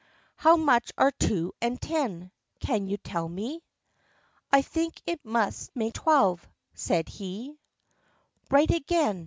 "How much are two and ten — can you tell me?" "I think it must make twelve," said he. "Eight again.